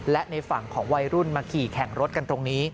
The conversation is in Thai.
และในฝั่งของวัยรุ่นมาขี่แข่งรถกันตรงนี้